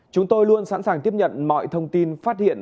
chúng tôi luôn sẵn sàng tiếp nhận mọi thông tin phát hiện